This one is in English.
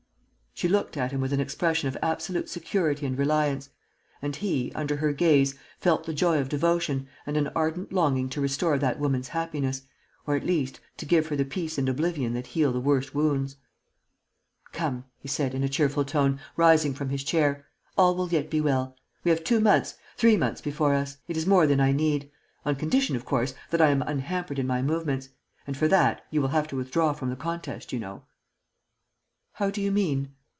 She looked at him with an expression of absolute security and reliance; and he, under her gaze, felt the joy of devotion and an ardent longing to restore that woman's happiness, or, at least, to give her the peace and oblivion that heal the worst wounds: "Come," he said, in a cheerful tone, rising from his chair, "all will yet be well. We have two months, three months before us. It is more than I need ... on condition, of course, that I am unhampered in my movements. And, for that, you will have to withdraw from the contest, you know." "How do you mean?"